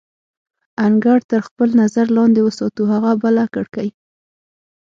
انګړ تر خپل نظر لاندې وساتو، هغه بله کړکۍ.